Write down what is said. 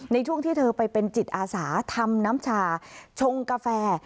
ในช่วงที่เธอไปเป็นจิตอาสาทำน้ำชาชงกาแฟ